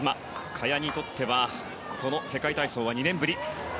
萱にとってはこの世界体操は２年ぶり。